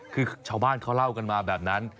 คือชาวบ้านเขาเล่ากันมาแบบนั้น